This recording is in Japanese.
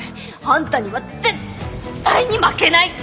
あんたには絶対に負けない！